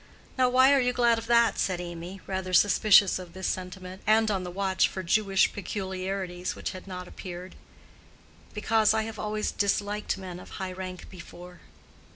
"Now, why are you glad of that?" said Amy, rather suspicious of this sentiment, and on the watch for Jewish peculiarities which had not appeared. "Because I have always disliked men of high rank before."